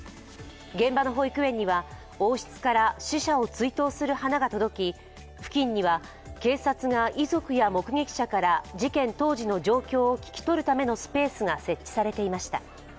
現場の保育園には王室から死者を追悼する花が届き付近には警察が遺族や目撃者から事件当時の状況を聞き取るためのスペースが設置されていました。